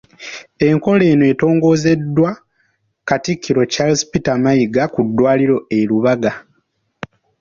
Enkola eno entogozeddwa Katikkiro Charles Peter Mayiga ku ddwaliro e Lubaga.